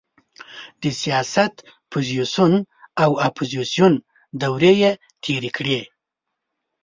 د سیاست پوزیسیون او اپوزیسیون دورې یې تېرې کړې.